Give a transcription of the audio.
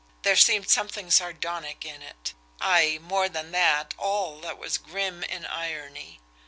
There seemed something sardonic in it; ay, more than that, all that was grim in irony.